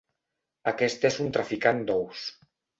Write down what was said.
Aquest és un traficant d'ous.